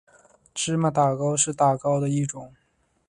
芝麻打糕是打糕的一种。